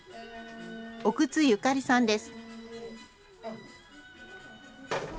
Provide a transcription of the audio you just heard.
奥津ゆかりさんです。